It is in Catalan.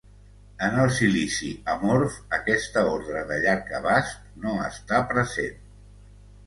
En el silici amorf aquest ordre de llarg abast no està present.